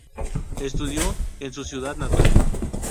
Estudió en su ciudad natal.